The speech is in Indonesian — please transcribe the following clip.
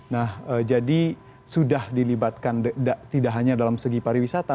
nah jadi sudah dilibatkan tidak hanya dalam segi pariwisata